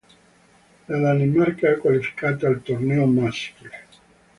La Danimarca è qualificata al torneo maschile.